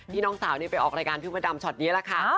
น้องสาวนี้ไปออกรายการพี่มดดำช็อตนี้แหละค่ะ